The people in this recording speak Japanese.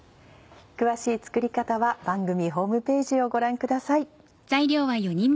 詳しい作り方は番組ホームページをご覧ください。